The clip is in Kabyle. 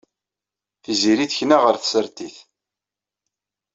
Tiziri tekna ɣer tsertit.